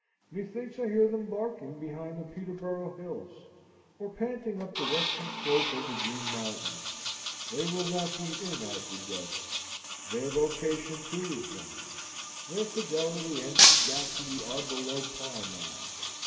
Methinks I hear them barking behind the Peterboro' Hills, or panting up the western slope of the Green Mountains. They will not be in at the death. Their vocation, too, is gone. Their fidelity and sagacity are below par now.